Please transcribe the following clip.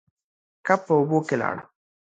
کب په اوبو کې لاړ.